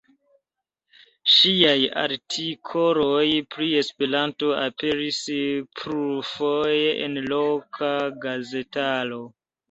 Ŝiaj artikoloj pri Esperanto aperis plurfoje en loka gazetaro.